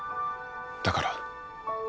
だから。